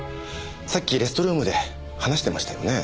さっきレストルームで話してましたよね。